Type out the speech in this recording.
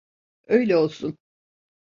Öyle olsun.